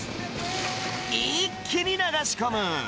一気に流し込む。